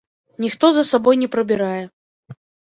Ніхто за сабой не прыбірае.